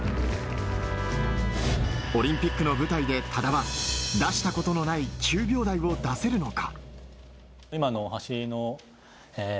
オリンピックの舞台で、多田は出したことのない９秒台を出せるのか。